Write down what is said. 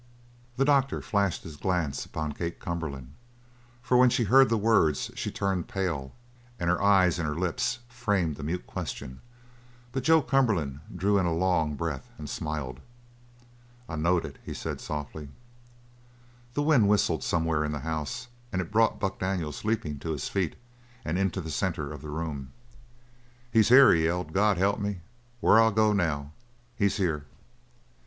The doctor flashed his glance upon Kate Cumberland, for when she heard the words she turned pale and her eyes and her lips framed a mute question; but Joe Cumberland drew in a long breath and smiled. "I knowed it!" he said softly. The wind whistled somewhere in the house and it brought Buck Daniels leaping to his feet and into the centre of the room. "He's here!" he yelled. "God help me, where'll I go now! He's here!"